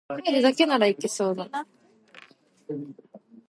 This road is directly over the old trolley tracks to the mountain.